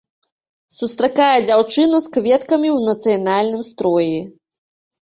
Сустракае дзяўчына з кветкамі ў нацыянальным строі.